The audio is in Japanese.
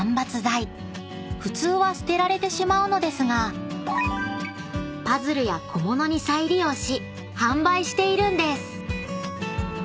［普通は捨てられてしまうのですがパズルや小物に再利用し販売しているんです］